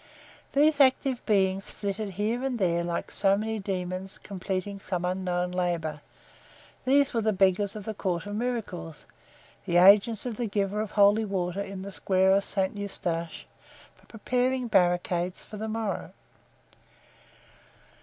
These active beings flitted here and there like so many demons completing some unknown labor; these were the beggars of the Court of Miracles—the agents of the giver of holy water in the Square of Saint Eustache, preparing barricades for the morrow.